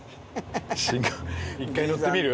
１回乗ってみる？